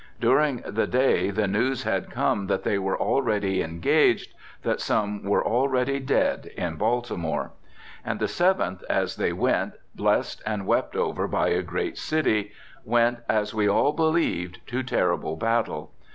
During the day the news had come that they were already engaged, that some were already dead in Baltimore. And the Seventh, as they went, blessed and wept over by a great city, went, as we all believed, to terrible battle.